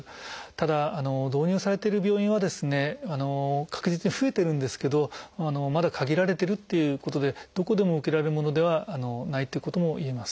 ただ導入されてる病院はですね確実に増えてるんですけどまだ限られてるっていうことでどこでも受けられるものではないっていうこともいえます。